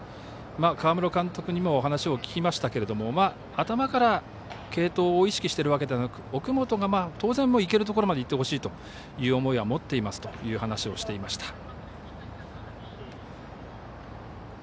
河室監督にもお話を聞きましたが頭から継投を意識しているわけではなく奥本がいけるところまでいってほしいという思いは持っていますという話をしていました。